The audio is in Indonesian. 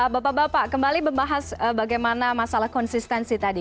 bapak bapak kembali membahas bagaimana masalah konsistensi tadi